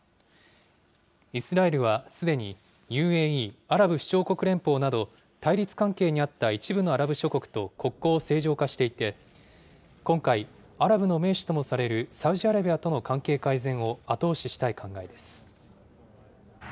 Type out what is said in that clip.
イスラエルはすでに、ＵＡＥ・アラブ首長国連邦など、対立関係にあった一部のアラブ諸国と国交を正常化していて、今回、アラブの盟主ともされるサウジアラビアとの関係改善を後押ししたい考えです。